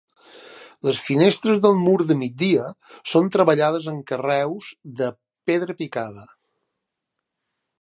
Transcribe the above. Les finestres del mur de migdia són treballades amb carreus de pedra picada.